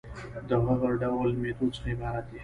د هغه ډول ميتود څخه عبارت دي